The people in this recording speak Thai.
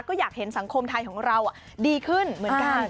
ก็อยากเห็นสังคมไทยของเราดีขึ้นเหมือนกัน